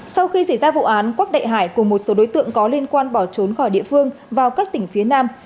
sau khi xảy ra vụ án quách đại hải cùng một số đối tượng có liên quan bỏ trốn khỏi địa phương vào các tỉnh phía nam